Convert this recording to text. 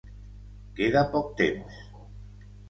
Queda poc temps.